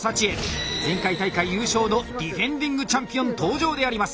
前回大会優勝のディフェンディングチャンピオン登場であります。